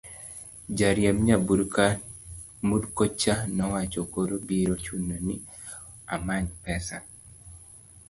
jariemb nyamburko cha nowacho, koro biro chuno ni amany pesa